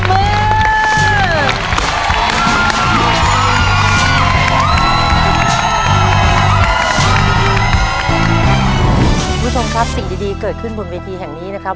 คุณผู้ชมครับสิ่งดีเกิดขึ้นบนเวทีแห่งนี้นะครับ